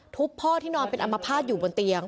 พ่อที่นอนเป็นอัมพาตอยู่บนเตียง